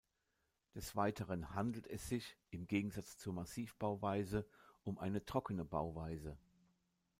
Des Weiteren handelt es sich, im Gegensatz zur Massivbauweise, um eine trockene Bauweise.